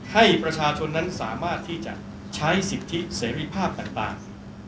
ให้ประชาชนนั้นสามารถที่จะใช้สิทธิเสรีภาพต่าง